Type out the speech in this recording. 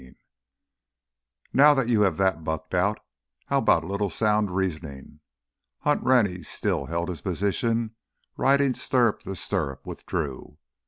16 "Now that you have that bucked out, how about a little sound reasoning?" Hunt Rennie still held his position, riding stirrup to stirrup with Drew.